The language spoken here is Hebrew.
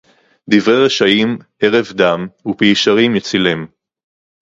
דִּבְרֵ֣י רְשָׁעִ֣ים אֱרָב־דָּ֑ם וּפִ֥י יְ֝שָׁרִ֗ים יַצִּילֵֽם׃